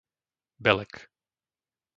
Belek